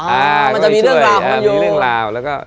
มันจะมีเรื่องราวของมันอยู่เรื่องราวแล้วก็